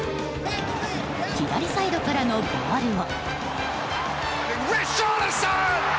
左サイドからのボールを。